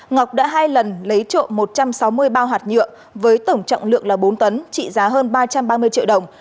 ngọc đã hai lần lấy trộm một trăm sáu mươi bao hạt nhựa với tổng trọng lượng là bốn tấn trị giá hơn ba trăm ba mươi triệu đồng